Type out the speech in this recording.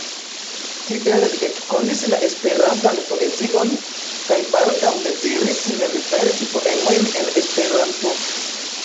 Tiel li ekkonis la Esperantan poezion, kaj baldaŭ deziris mem verki poemojn en Esperanto.